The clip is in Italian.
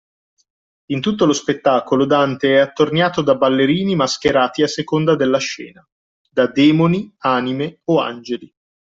In tutto lo spettacolo Dante è attorniato da ballerini mascherati a seconda della scena: da demoni anime o angeli.